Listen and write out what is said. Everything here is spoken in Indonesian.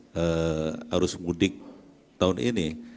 kepentingan penduduk tahun ini